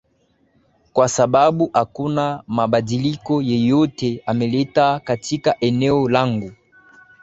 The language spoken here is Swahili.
kwa sababu hakuna mabadiliko yeyote ameleta katika eneo langu